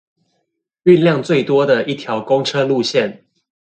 運量最多的一條公車路線